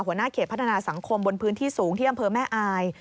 หัวหน้าเขตพัฒนาสังคมบนพื้นที่สูงที่อำเภอแม่อาย